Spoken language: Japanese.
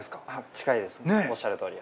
近いですおっしゃるとおり。